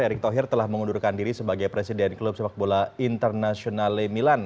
erick thohir telah mengundurkan diri sebagai presiden klub sepak bola internasional milan